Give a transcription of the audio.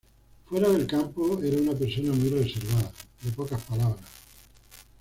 Fuera del campo era una persona muy reservada, de pocas palabras.